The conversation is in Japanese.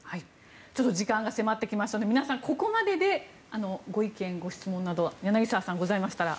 時間が迫ってきましたので皆さん、ここまででご意見・ご質問などは柳澤さん、ございましたら。